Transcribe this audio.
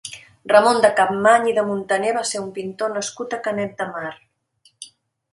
Ramon de Capmany i de Montaner va ser un pintor nascut a Canet de Mar.